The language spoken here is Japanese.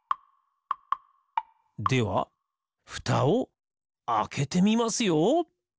ではふたをあけてみますよ！